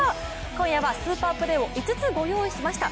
今夜はスーパープレーを５つ用意しました。